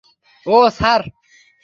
ওহ, sir?